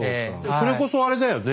それこそあれだよね。